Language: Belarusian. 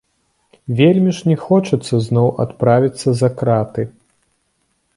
Вельмі ж не хочацца зноў адправіцца за краты.